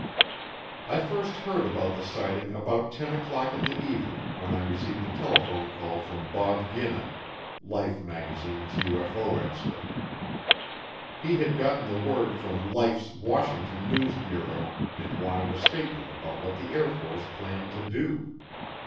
I first heard about the sighting about ten o'clock in the evening when I received a telephone call from Bob Ginna, Life magazine's UFO expert. He had gotten the word from Life's Washington News Bureau and wanted a statement about what the Air Force planned to do.